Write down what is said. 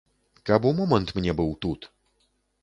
Каб у момант мне быў тут.